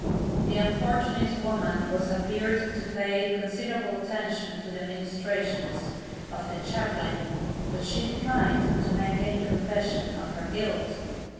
The unfortunate woman has appearod to pay considerable attention to the ministrations of the chaplain, but she declined to make any confession of her guilt.